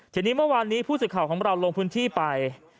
ทีนี้เมื่อวานนี้ผู้สื่อข่าวของเราลงพื้นที่ไป